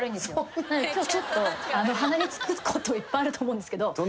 今日ちょっと鼻につくこといっぱいあると思うんですけど。